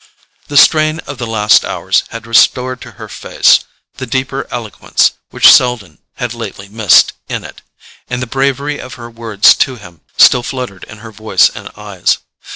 The strain of the last hours had restored to her face the deeper eloquence which Selden had lately missed in it, and the bravery of her words to him still fluttered in her voice and eyes.